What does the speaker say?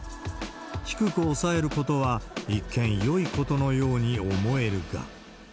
低く抑えることは一見よいことのように思えるが。